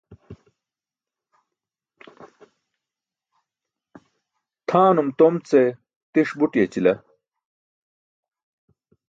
Tʰaanum tom ce tiṣ but yaćila.